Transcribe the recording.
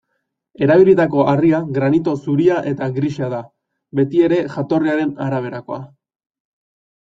Erabilitako harria granito zuria eta grisa da, betiere jatorriaren araberakoa.